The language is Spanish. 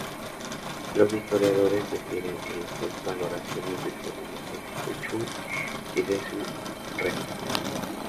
Los historiadores difieren en sus valoraciones del segundo príncipe Chun y de su regencia.